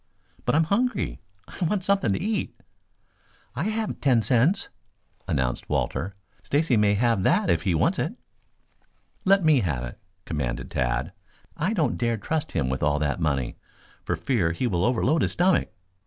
"But I'm hungry. I want something to eat." "I have ten cents," announced Walter. "Stacy may have that if he wants it." "Let me have it," commanded Tad. "I don't dare trust him with all that money for fear he will overload his stomach.